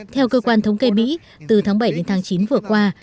theo cơ quan thống kê mỹ từ tháng bảy đến tháng chín vừa qua